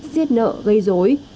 giết nợ gây dối